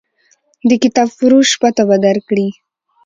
د کتابفروش پته به درکړي.